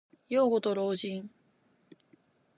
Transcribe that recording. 幼子と老人。